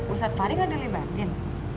ustadz fahri gak ada libatin